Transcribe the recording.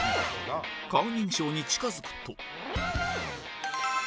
顔認証に近づくと